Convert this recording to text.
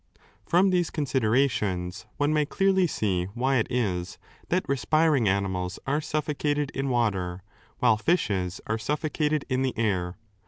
Fboh these considerations one may clearly see why it is that respiring animals are suffocated in water, while fishes are suffocated in the air.